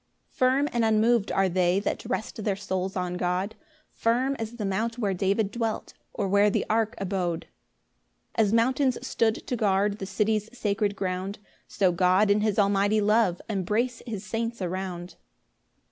1 Firm and unmov'd are they That rest their souls on God; Firm as the mount where David dwelt Or where the ark abode. 2 As mountains stood to guard The city's sacred ground, So God and his almighty love Embrace his saints around.